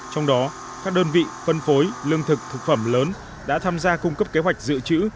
trong đó các đơn vị phân phối lương thực thực phẩm lớn đã tham gia cung cấp kế hoạch dự trữ